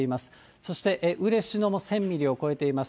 そして嬉野も１０００ミリを超えています。